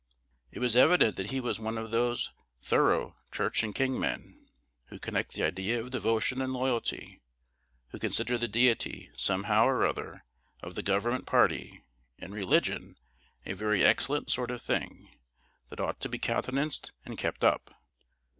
It was evident that he was one of these thorough Church and king men, who connect the idea of devotion and loyalty; who consider the Deity, somehow or other, of the government party, and religion "a very excellent sort of thing, that ought to be countenanced and kept up."